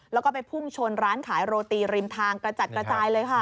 แล้วก็ไปพุ่งชนร้านขายโรตีริมทางกระจัดกระจายเลยค่ะ